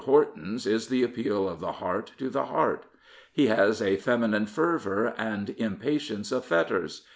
Horton's is the appeal of the heart to the heart. He has a feminine fervour and impatience of fetters.